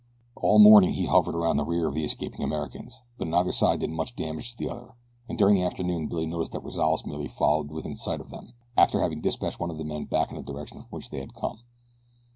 All morning he hovered around the rear of the escaping Americans; but neither side did much damage to the other, and during the afternoon Billy noticed that Rozales merely followed within sight of them, after having dispatched one of his men back in the direction from which they had come.